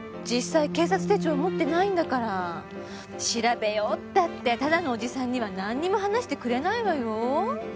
実際警察手帳持ってないんだから調べようったってただのおじさんにはなんにも話してくれないわよ？